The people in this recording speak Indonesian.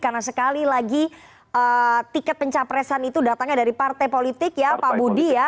karena sekali lagi tiket pencapresan itu datangnya dari partai politik ya pak budi ya